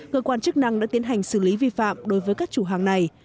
cơ quan chức năng đã tiến hành xử lý vi phạm đối với các chủ hàng này